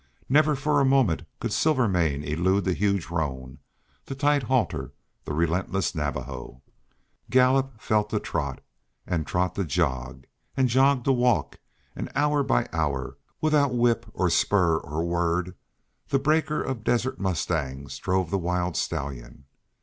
Never for a moment could Silvermane elude the huge roan, the tight halter, the relentless Navajo. Gallop fell to trot, and trot to jog, and jog to walk; and hour by hour, without whip or spur or word, the breaker of desert mustangs drove the wild stallion.